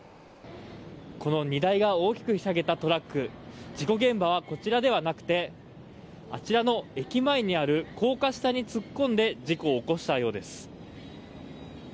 この荷台が大きくひしゃげたトラック事故現場はこちらではなくてあちらの駅前にある高架下に突っ込んで事故を起こしたようです。